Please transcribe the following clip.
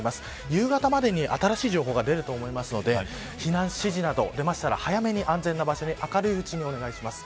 夕方までに新しい情報が出ると思いますので避難指示など出ましたら早めに安全な場所に明るいうちにお願いします。